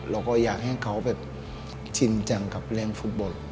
แล้วก็อยากให้เขาจริงจังกับเล่นฟุตบอล